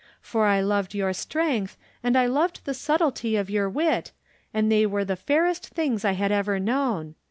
For I loved your strength and I loved the subtlety of your wit, and they were the fairest things I had ever known.